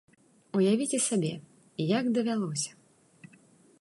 Уявіце сабе, як давялося!